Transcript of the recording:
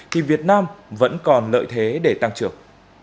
thì việt nam vẫn còn lợi thế để tăng trưởng